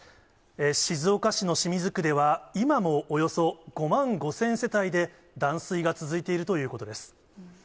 静岡市の清水区では、今もおよそ５万５０００世帯で断水が続いているということです。